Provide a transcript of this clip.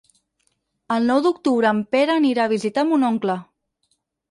El nou d'octubre en Pere anirà a visitar mon oncle.